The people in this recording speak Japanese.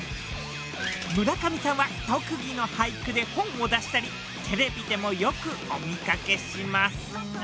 村上さんは特技の俳句で本を出したりテレビでもよくお見かけしますが。